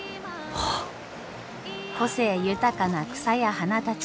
個性豊かな草や花たち。